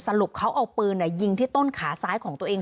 สรุปเขาเอาปืนยิงที่ต้นขาซ้ายของตัวเอง